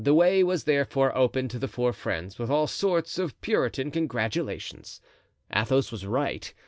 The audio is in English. The way was therefore opened to the four friends with all sorts of Puritan congratulations. Athos was right.